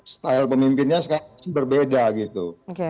style pemimpinnya berbeda gitu